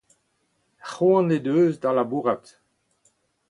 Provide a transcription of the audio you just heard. C'hoant he deus da labourat.